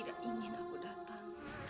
tidak ingin aku datang